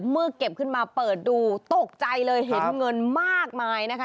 เมื่อเก็บขึ้นมาเปิดดูตกใจเลยเห็นเงินมากมายนะคะ